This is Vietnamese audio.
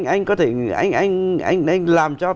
anh làm cho